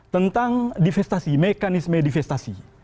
tentang divestasi mekanisme divestasi